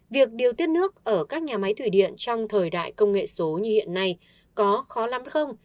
việc điều tiết nước ở các nhà máy thủy điện trong thời đại công nghệ số như hiện nay có khó lắm không